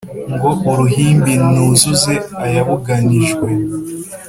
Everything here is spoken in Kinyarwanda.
Ngo uruhimbi nuzuze ayabuganijwe